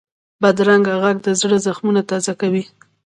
بدرنګه غږ د زړه زخمونه تازه کوي